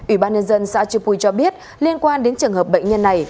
ủy ban nhân dân xã chư pui cho biết liên quan đến trường hợp bệnh nhân này